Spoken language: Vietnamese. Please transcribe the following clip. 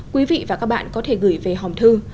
quý vị và các bạn có thể gửi về hòm thư